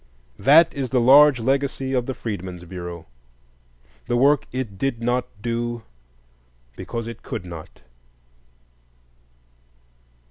That is the large legacy of the Freedmen's Bureau, the work it did not do because it could not.